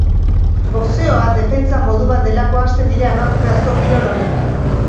Boxeoa defentsa modu bat delako hasten dira emakume asko kirol honetan.